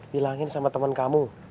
bilangin sama temen kamu